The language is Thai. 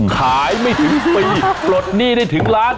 ขายไม่ถึงปีปลดหนี้ได้ถึงล้าน